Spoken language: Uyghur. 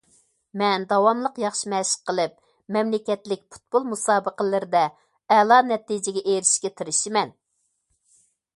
مەن داۋاملىق ياخشى مەشىق قىلىپ، مەملىكەتلىك پۇتبول مۇسابىقىلىرىدە ئەلا نەتىجىگە ئېرىشىشكە تىرىشىمەن.